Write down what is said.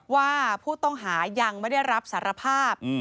ว่าผู้ต้องหายังไม่ได้รับสารภาพ